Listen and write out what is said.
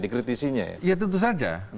di kritisinya ya ya tentu saja